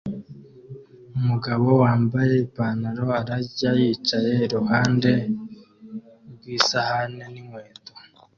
Umugabo wambaye ipantaro ararya yicaye iruhande rw'isahani n'inkweto